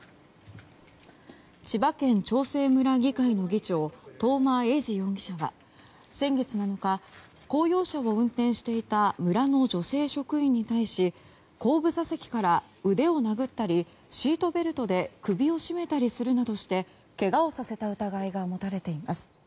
千葉県長生村議会の議長東間永次容疑者は先月７日、公用車を運転していた村の女性職員に対し後部座席から腕を殴ったりシートベルトで首を絞めたりするなどしてけがをさせた疑いが持たれています。